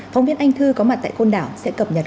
phóng viên anh thư có mặt tại côn đảo sẽ cập nhật